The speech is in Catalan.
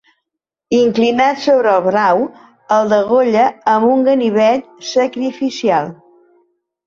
Inclinat sobre el brau, el degolla amb un ganivet sacrificial.